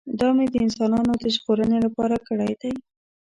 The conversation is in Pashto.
دا مې د انسانانو د ژغورنې لپاره کړی دی.